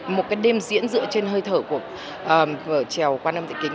một đêm diễn dựa trên hơi thở của trèo quan âm thị kính